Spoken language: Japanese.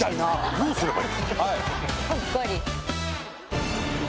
どうすればいいんすか？